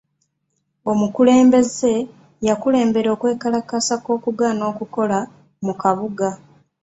Omukulembeze yakulembera okwekalakasa kw'okugaana okukola mu kabuga.